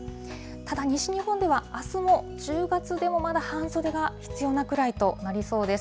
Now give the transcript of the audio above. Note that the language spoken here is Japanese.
ただ西日本では、あすも１０月でもまだ半袖が必要なくらいとなりそうです。